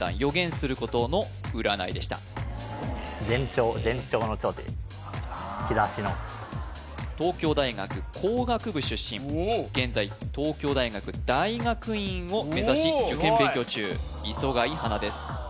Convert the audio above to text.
「兆し」の東京大学工学部出身現在東京大学大学院を目指し受験勉強中磯貝初奈です